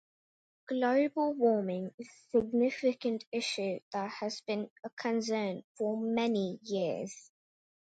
Global warming is a significant issue that has been a concern for many years.